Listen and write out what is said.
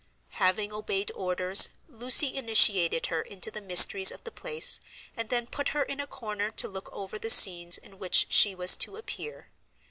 Having obeyed orders, Lucy initiated her into the mysteries of the place, and then put her in a corner to look over the scenes in which she was to appear.